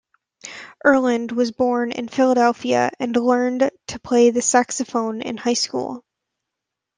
Earland was born in Philadelphia and learned to play the saxophone in high school.